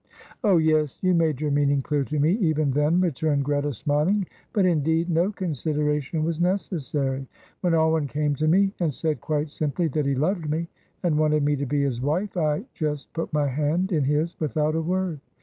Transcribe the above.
"Oh, yes; you made your meaning clear to me even then," returned Greta, smiling; "but, indeed, no consideration was necessary. When Alwyn came to me and said quite simply that he loved me and wanted me to be his wife, I just put my hand in his without a word.